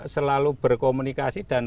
selalu berkomunikasi dan